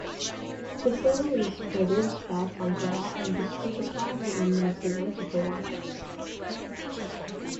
Chesdale is produced by Fonterra and distributed widely in New Zealand supermarkets.